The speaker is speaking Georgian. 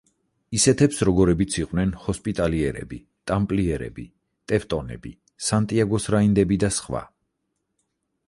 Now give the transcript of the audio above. ისეთებს როგორებიც იყვნენ: ჰოსპიტალიერები, ტამპლიერები, ტევტონები, სანტიაგოს რაინდები და სხვა.